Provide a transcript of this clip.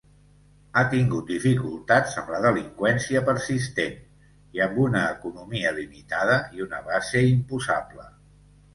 Ha tingut dificultats amb la delinqüència persistent, i amb una economia limitada i una base imposable.